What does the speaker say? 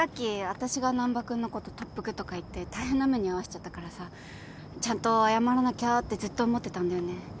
私が難破君のこと特服とか言って大変な目に遭わせちゃったからさちゃんと謝らなきゃってずっと思ってたんだよね。